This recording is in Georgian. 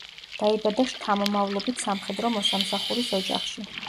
დაიბადა შთამომავლობით სამხედრო მოსამსახურის ოჯახში.